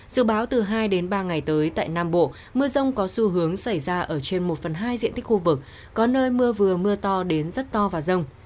dự báo từ hai đến ba ngày tới tại nam bộ mưa rông có xu hướng xảy ra ở trên một phần hai diện tích khu vực có nơi mưa vừa mưa to đến rất to và rông